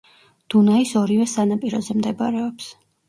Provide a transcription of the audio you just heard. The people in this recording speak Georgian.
დუნაის ორივე სანაპიროზე მდებარეობს.